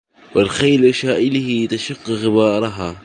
والخيل شائلة تشق غبارها